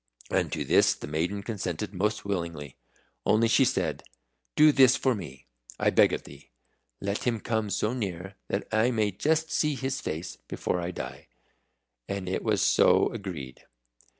And to this the maiden consented most willingly. Only she said, "Do this for me, I beg of thee. Let him come so near that I may just see his face before I die." And it was so agreed.